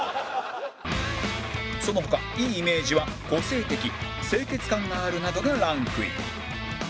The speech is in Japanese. その他いいイメージは「個性的」「清潔感がある」などがランクイン